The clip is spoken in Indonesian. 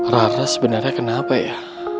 rara sebenarnya kenapa ya